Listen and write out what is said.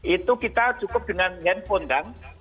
itu kita cukup dengan handphone kan